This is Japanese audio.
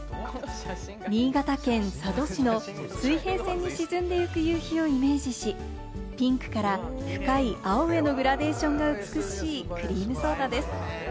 新潟県佐渡市の水平線に沈んでいく夕日をイメージし、ピンクから深い青へのグラデーションが美しいクリームソーダです。